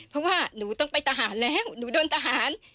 เพราะว่าหนูต้องไปทหารแล้วหนูโดนทหาร